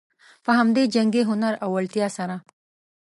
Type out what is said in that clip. په همدې جنګي هنر او وړتیا سره.